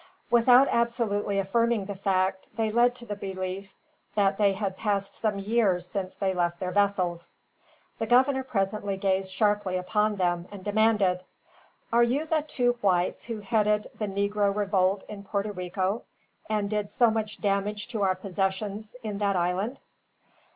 Without absolutely affirming the fact, they led to the belief that they had passed some years since they left their vessels. The governor presently gazed sharply upon them, and demanded: "Are you the two whites who headed the negro revolt in Porto Rico, and did so much damage to our possessions in that island?"